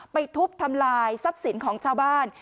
ทุบทำลายทรัพย์สินของชาวบ้าน